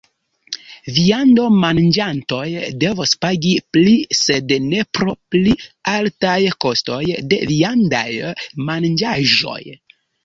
Viandomanĝantoj devos pagi pli, sed ne pro pli altaj kostoj de viandaj manĝaĵoj.